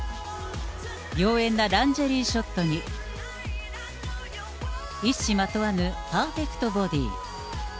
ようえんなランジェリーショットに、一糸まとわぬパーフェクトボディー。